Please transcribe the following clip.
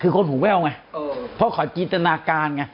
คือคนหูแววไงเพราะขอยกิจนาการไง